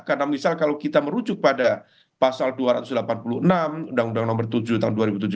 karena misal kalau kita merujuk pada pasal dua ratus delapan puluh enam undang undang nomor tujuh tahun dua ribu tujuh belas